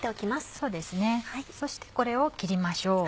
そしてこれを切りましょう。